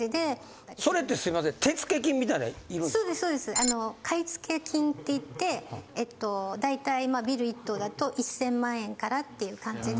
あの買付金って言ってえっと大体まあビル１棟だと１０００万円からっていう感じで。